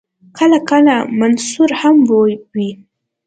کله کله منثور هم وي.